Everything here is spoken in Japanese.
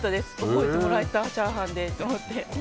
覚えてもらえた、チャーハンでと。